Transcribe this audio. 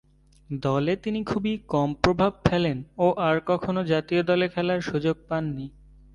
দলে তিনি খুবই কম প্রভাব ফেলেন ও আর কখনো জাতীয় দলে খেলার সুযোগ পাননি।